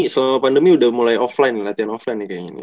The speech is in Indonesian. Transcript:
selama pandemi udah mulai latihan offline kayaknya